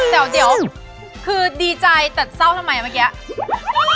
เดี๋ยวคือดีใจแต่เศร้าทำไมเมื่อกี้